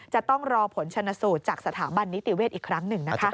จะต้องรอผลชนสูตรจากสถาบันนิติเวศอีกครั้งหนึ่งนะคะ